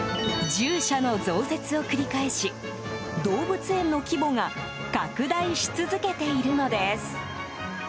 獣舎の増設を繰り返し動物園の規模が拡大し続けているのです。